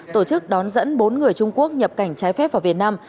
tổ chức đón dẫn bốn người trung quốc nhập cảnh trái phép vào việt nam